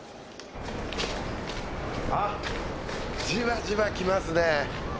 あっじわじわ来ますね。